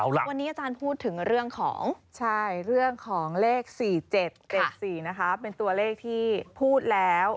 วันนี้อาจารย์พูดถึงเรื่องของใช่เรื่องของเลข๔๗๗๔เป็นตัวเลขที่พูดแล้ว